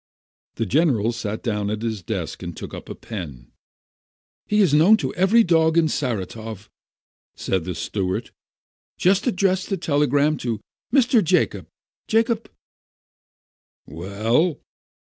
The general sat down at his desk, and took up a pen. "He is known to every dog in Saratoff," said the steward. "Just address the telegram to Mr. Jacob — Jacob " "Well?"